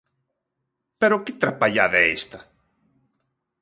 ¡Pero que trapallada é esta!